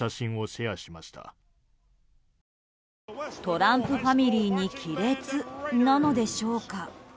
トランプファミリーに亀裂なのでしょうか。